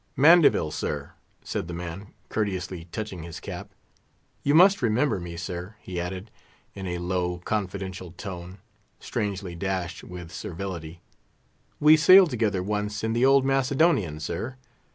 "Mandeville, sir," said the man, courteously touching his cap. "You must remember me, sir," he added, in a low, confidential tone, strangely dashed with servility; "we sailed together once in the old Macedonian, sir.